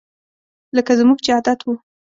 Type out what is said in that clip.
لکه زموږ چې عادت وو